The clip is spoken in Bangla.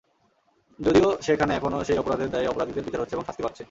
যদিও সেখানে এখনো সেই অপরাধের দায়ে অপরাধীদের বিচার হচ্ছে এবং শাস্তি পাচ্ছে।